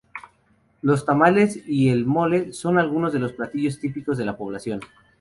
Los tamales y el mole son algunos de los platillos típicos de la población.